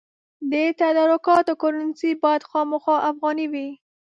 د تدارکاتو کرنسي باید خامخا افغانۍ وي.